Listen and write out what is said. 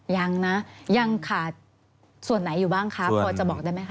ยังนะยังขาดส่วนไหนอยู่บ้างครับพอจะบอกได้ไหมคะ